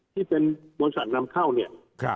ที่เป็นบริษัทนำเข้าเนี่ย